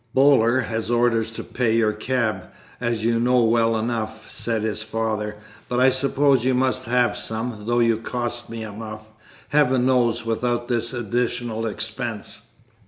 "Boaler has orders to pay your cab as you know well enough," said his father, "but I suppose you must have some, though you cost me enough, Heaven knows, without this additional expense."